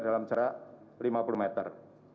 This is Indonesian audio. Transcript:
dalam jarak lima puluh meter